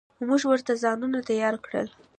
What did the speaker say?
موږ ورته ځانونه تيار کړل.